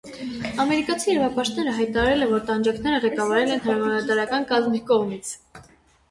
Ամերիկացի իրավապաշտպանները հայտարարել են, որ տանջանքները ղեկավարվել են հրամանատարական կազմի կողմից։